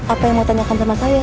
apa yang mau tanyakan sama saya